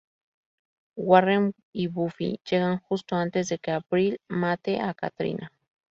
Warren y Buffy llegan justo antes de que April mate a Katrina.